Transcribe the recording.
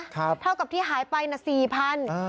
เท่ากับที่หายไปนะ๔พัน